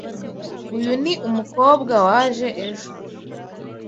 Uyu ni umukobwa waje ejo.